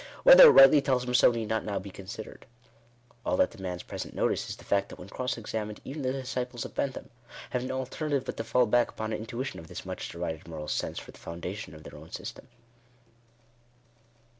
Whether it rightly tells him so, need not now he considered. All that demands present notice is the fact, that when cross examined, even the disciples of Bentham have no alternative but to fall hack upon an intuition of this much derided moral sense, for the foundation of their own system.